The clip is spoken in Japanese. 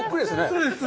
そうです。